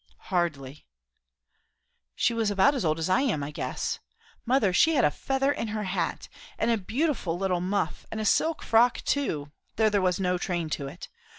"Hardly." "She was about as old as I am, I guess. Mother, she had a feather in her hat and a beautiful little muff, and a silk frock too, though there was no train to it.